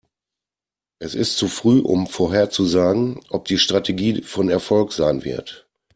Es ist zu früh, um vorherzusagen, ob die Strategie von Erfolg sein wird.